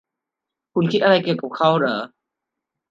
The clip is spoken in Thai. คุณคิดอะไรเกี่ยวกับเขาหรอ